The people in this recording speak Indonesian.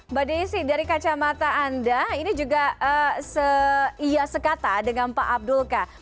mbak desy dari kacamata anda ini juga sekata dengan pak abdulka